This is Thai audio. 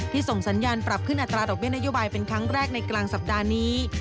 ส่งสัญญาณปรับขึ้นอัตราดอกเบี้นโยบายเป็นครั้งแรกในกลางสัปดาห์นี้